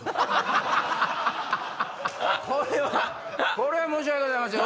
これは申し訳ございません